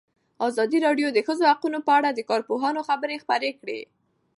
ازادي راډیو د د ښځو حقونه په اړه د کارپوهانو خبرې خپرې کړي.